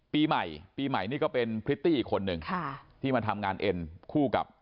ปีใหม่ปีใหม่นี่ก็เป็นพริตตี้อีกคนนึงค่ะที่มาทำงานเอ็นคู่กับ